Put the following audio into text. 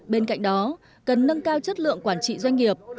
bên cạnh đó cần nâng cao chất lượng quản trị doanh nghiệp